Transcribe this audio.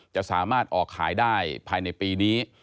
จะสามารถออกขายได้ภายในปีนี้